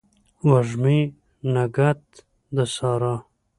وږمې نګهت د سارا